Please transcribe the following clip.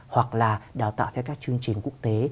hoặc là đào tạo theo các chương trình quốc tế